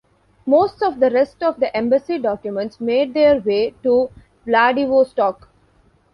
Most of the rest of the embassy documents made their way to Vladivostok.